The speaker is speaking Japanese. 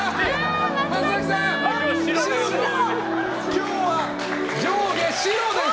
今日は上下白です。